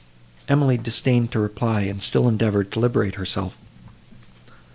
Emily disdained to reply, and still endeavoured to liberate herself.